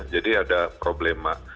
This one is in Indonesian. jadi ada problema